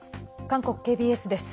韓国ＫＢＳです。